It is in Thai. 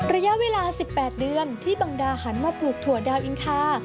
ระยะเวลา๑๘เดือนที่บังดาหันมาปลูกถั่วดาวอินทา